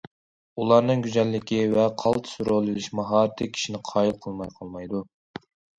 ئۇلارنىڭ گۈزەللىكى ۋە قالتىس رول ئېلىش ماھارىتى كىشىنى قايىل قىلماي قالمايدۇ.